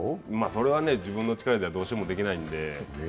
それは自分の力ではどうしようもないんで。